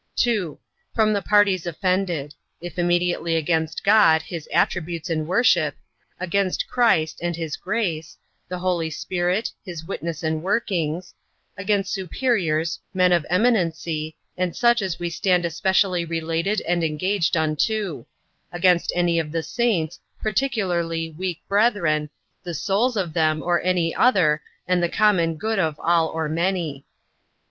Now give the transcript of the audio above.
2. From the parties offended: if immediately against God, his attributes, and worship; against Christ, and his grace; the Holy Spirit, his witness, and workings; against superiors, men of eminency, and such as we stand especially related and engaged unto; against any of the saints, particularly weak brethren, the souls of them, or any other, and the common good of all or many.